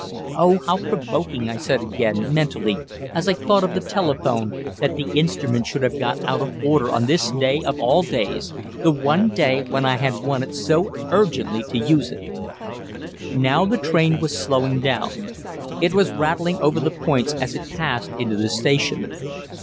Oh, how provoking, I said again, mentally, as I thought of the telephone, that the instrument should have got out of order on this day of all days the one day when I had wanted so urgently to use it! Now the train was slowing down. It was rattling over the points as it passed into the station.